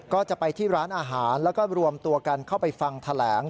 ก็จะไปที่ร้านอาหารแล้วก็รวมตัวกันเข้าไปฟังแถลง